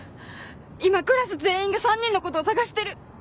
今クラス全員が３人のことを捜してる。